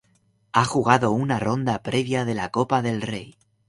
Ha jugado una ronda previa de la Copa del Rey.